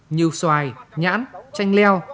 như xoài nhãn chanh leo